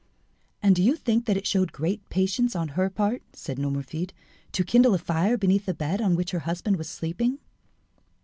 "And do you think that it showed great patience on her part," said Nomerfide, "to kindle a fire beneath the bed on which her husband was sleeping."